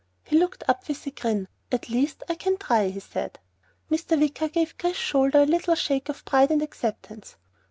He looked up with a grin. "At least I can try," he said. Mr. Wicker gave Chris's shoulder a little shake of pride and acceptance.